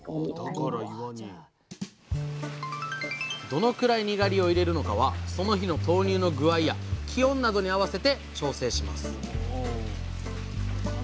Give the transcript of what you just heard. どのくらいにがりを入れるのかはその日の豆乳の具合や気温などに合わせて調整します